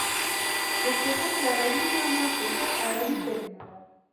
د سیاست لغوی معنا : سیاست عربی کلمه ده.